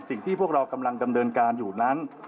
สิ่งที่พวกเรากำลังดำเนินการอยู่นั้น